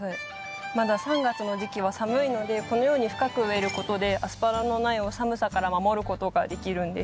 まだ３月の時期は寒いのでこのように深く植えることでアスパラの苗を寒さから守ることができるんです。